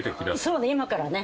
そうね今からね。